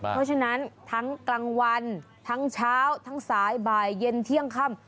เพราะฉะนั้นทั้งกลางวันทั้งเช้าทั้งสายบ่ายเย็นเที่ยงค่ำ